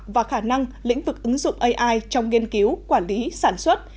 và khả năng lĩnh vực ứng dụng ai trong nghiên cứu quản lý sản xuất